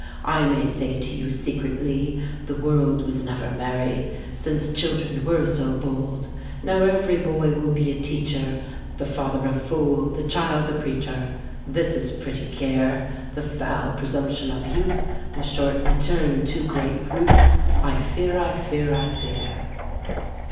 I may say to you secretly, The world was never merry Since children were so bold; Now every boy will be a teacher, The father a fool, the child a preacher; This is pretty gear! The foul presumption of youth Will shortly turn to great ruth, I fear, I fear, I fear!